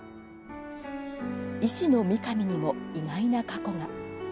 医師の三上にも意外な過去が。